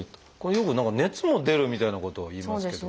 よく何か熱も出るみたいなことを言いますけど。